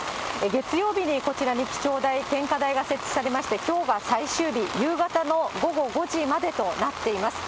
月曜日にこちらに記帳台、献花台が設置されまして、きょうが最終日、夕方の午後５時までとなっています。